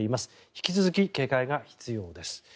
引き続き、警戒が必要です。